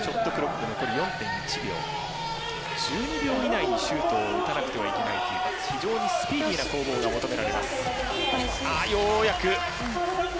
１２秒以内にシュートを打たないといけないという非常にスピーディーさが求められます。